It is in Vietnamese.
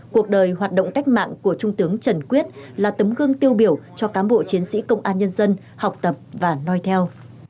cuộc đời hoạt động cách mạng của trung tướng trần quyết là tấm gương tiêu biểu cho cám bộ chiến sĩ công an nhân dân học tập và nói theo